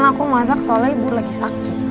aku masak soalnya ibu lagi sakit